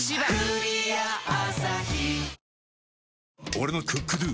俺の「ＣｏｏｋＤｏ」！